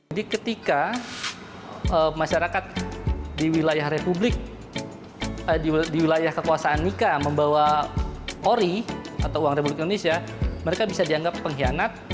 jadi ketika masyarakat di wilayah republik di wilayah kekuasaan nika membawa ori atau uang republik indonesia mereka bisa dianggap penghianat